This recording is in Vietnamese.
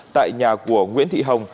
tại nhà của nguyễn thị hồng